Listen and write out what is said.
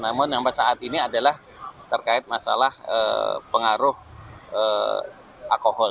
namun sampai saat ini adalah terkait masalah pengaruh alkohol